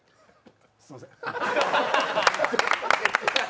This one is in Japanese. すみません。